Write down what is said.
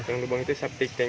yang lubang itu septic tank